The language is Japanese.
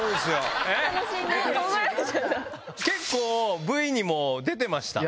結構ＶＴＲにも出てました。